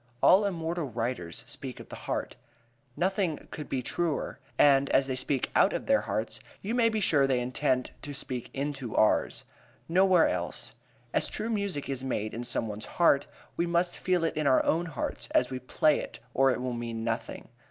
"All immortal writers speak out of the heart." Nothing could be truer; and as they speak out of their hearts you may be sure they intend to speak into ours. Nowhere else. As true music is made in some one's heart, we must feel it in our own hearts as we play it or it will mean nothing.